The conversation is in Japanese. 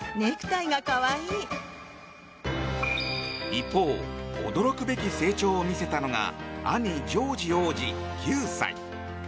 一方、驚くべき成長を見せたのが兄ジョージ王子、９歳。